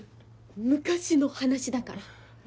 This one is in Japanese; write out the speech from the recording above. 昔の話だから。